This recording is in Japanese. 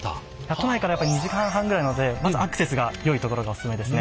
都内から２時間半ぐらいなのでまずアクセスがよいところがおすすめですね。